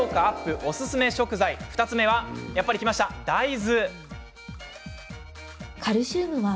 おすすめ食材２つ目はやっぱりきました、大豆。